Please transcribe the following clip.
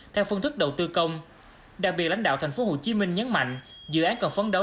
theo phương thức đầu tư công đặc biệt lãnh đạo tp hcm nhấn mạnh dự án cần phấn đấu